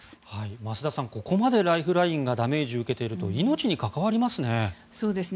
増田さん、ここまでライフラインがダメージを受けていると命に関わりますね。